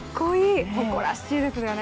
誇らしいですよね。